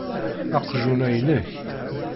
Aqjun-a inek.